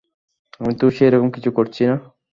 আমি তো সেরকম কিছু করছি না!